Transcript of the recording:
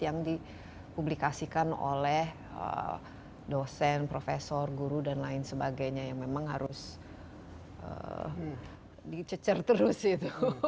yang dipublikasikan oleh dosen profesor guru dan lain sebagainya yang memang harus dicecer terus itu